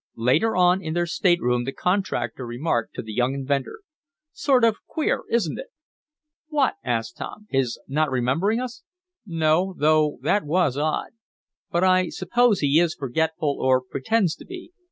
Later on, in their stateroom, the contractor remarked to the young inventor: "Sort of queer; isn't it?" "What?" asked Tom. "His not remembering us?" "No, though that was odd. But I suppose he is forgetful, or pretends to be.